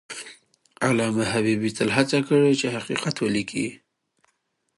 علامه حبیبي تل هڅه کړې چې حقیقت ولیکي.